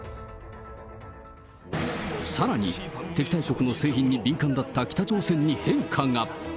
さらに、敵対国の製品に敏感だった北朝鮮に変化が。